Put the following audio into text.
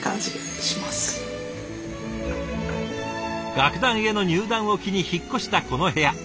楽団への入団を機に引っ越したこの部屋。